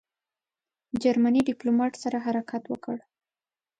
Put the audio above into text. جرمني ډیپلوماټ سره حرکت وکړ.